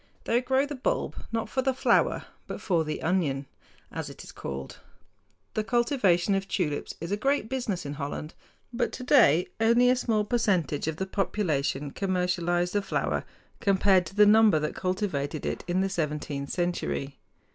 They grow the bulb not for the flower but for the "onion," as it is called. The cultivation of tulips is a great business in Holland; but today only a small percentage of the population commercialize the flower, compared to the number that cultivated it in the seventeenth century.